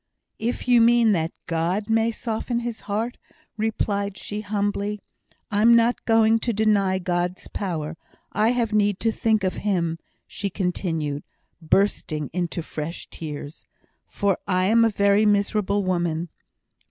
"If you mean that God may soften his heart," replied she, humbly, "I'm not going to deny God's power I have need to think of Him," she continued, bursting into fresh tears, "for I am a very miserable woman.